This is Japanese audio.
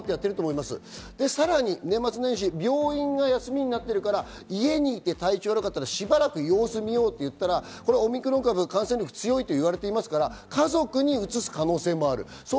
さらに年末年始、病院が休みになっているから、家にいて、体調が悪かったらしばらく様子を見ようと言ったら、オミクロン株、感染力が強いと言われていますから家族にうつす可能性もある。